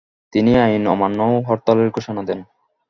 তিনি আইন অমান্য ও হরতালের ঘোষণা দেন।